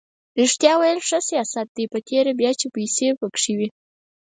ریښتیا ویل ښه سیاست دی په تېره بیا چې پیسې پکې وي.